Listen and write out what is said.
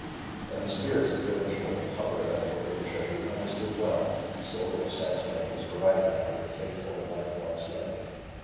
And the spirits of good and evil that hover about a forbidden treasure understood well that the silver of San Tome was provided now with a faithful and lifelong slave.